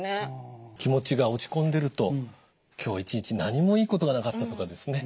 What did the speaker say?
気持ちが落ち込んでると「今日一日何もいいことがなかった」とかですね